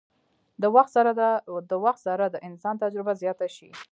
د وخت سره د انسان تجربه زياته شي